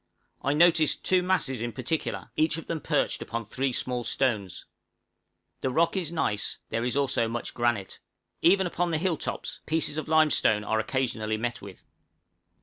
I noticed two masses in particular, each of them perched upon three small stones. The rock is gneiss; there is also much granite. Even upon the hill tops pieces of limestone are occasionally met with.